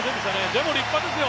でも立派ですよ。